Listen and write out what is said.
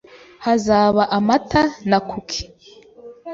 Hazaba amata na kuki.